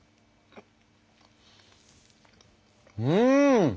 うん！